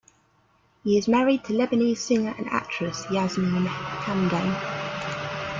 He is married to Lebanese singer and actress Yasmine Hamdan.